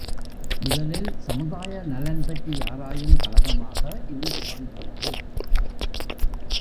முதலில் சமுதாய நலன்பற்றி ஆராயும் கழகமாக இது துவங்கியது.